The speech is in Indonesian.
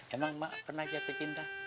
emang maaf pernah jatuh cinta